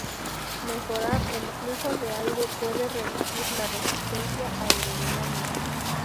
Mejorar el flujo de aire puede reducir la resistencia aerodinámica.